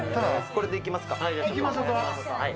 これでいきますか？